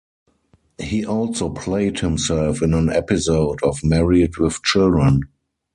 He also played himself in an episode of Married... with Children.